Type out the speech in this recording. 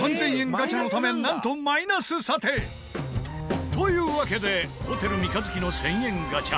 ガチャのためなんとマイナス査定！というわけでホテル三日月の１０００円ガチャ。